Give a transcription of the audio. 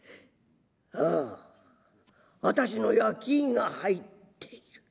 「ああ私の焼き印が入っている。